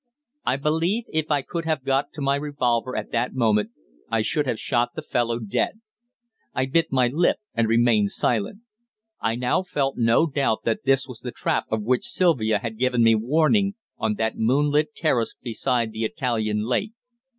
I believe, if I could have got to my revolver at that moment, I should have shot the fellow dead. I bit my lip, and remained silent. I now felt no doubt that this was the trap of which Sylvia had given me warning on that moonlit terrace beside the Italian lake.